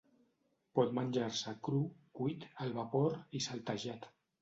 Pot menjar-se cru, cuit, al vapor, i saltejat.